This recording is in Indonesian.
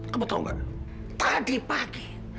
kamu tahu nggak tadi pagi